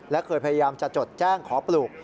และเคยพยายามจะจดแจ้งขอปลูก